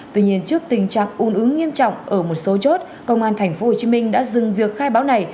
tuy nhiên trước tình trạng un ứng nghiêm trọng ở một số chốt công an tp hồ chí minh đã dừng việc khai báo này